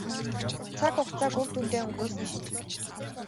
Цаг хугацааг үр дүнтэй өнгөрөөсний шинж.